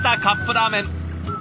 カップラーメン。